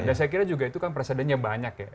dan saya kira itu kan presidennya banyak ya